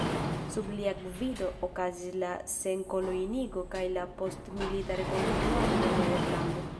Sub lia gvido okazis la senkoloniigo kaj la postmilita rekonstruado de Nederlando.